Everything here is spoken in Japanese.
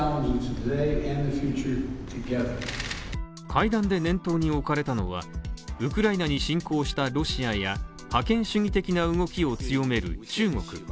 会談で念頭に置かれたのは、ウクライナに侵攻したロシアや覇権主義的な動きを強める中国。